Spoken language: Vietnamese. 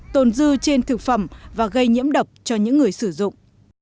tồn dư trên thực phẩm và gây nhiễm độc cho những người sử dụng